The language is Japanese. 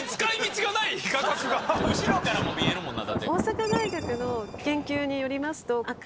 後ろからも見えるもんな。